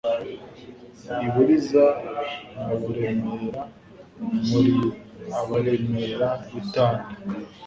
I Buriza na Buremera.Muri abaremere b'i Tanda,